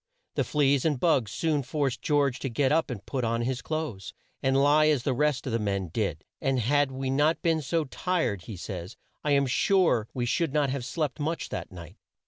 The fleas and bugs soon forced George to get up and put on his clothes and lie as the rest of the men did, and "had we not been so tired," he says "I am sure we should not have slept much that night."